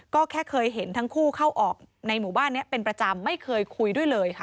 ก็แค่เคยเห็นทั้งคู่เข้าออกในหมู่บ้านนี้เป็นประจำไม่เคยคุยด้วยเลยค่ะ